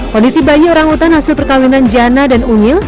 kondisi bayi orangutan hasil perkawinan jana dan ungil